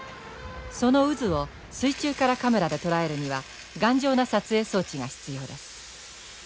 その渦を水中からカメラで捉えるには頑丈な撮影装置が必要です。